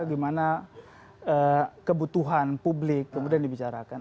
bagaimana kebutuhan publik kemudian dibicarakan